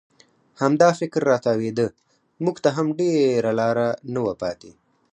همدا فکر را تاوېده، موږ ته هم ډېره لاره نه وه پاتې.